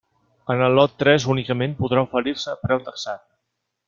En el lot tres únicament podrà oferir-se preu taxat.